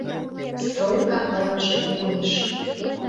Стройка ылыже уэш.